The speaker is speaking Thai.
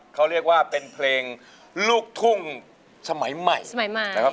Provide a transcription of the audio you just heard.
เขาเรียกว่าเป็นเพลงลูกทุ่งสมัยใหม่